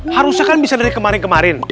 harusnya kan bisa dari kemarin kemarin